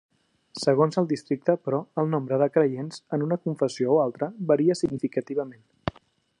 Segons el districte, però, el nombre de creients en una confessió o altra varia significativament.